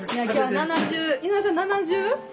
井上さん７０？９。